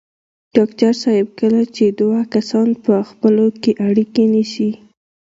ډاکټر صاحب کله چې دوه کسان په خپلو کې اړيکې نیسي.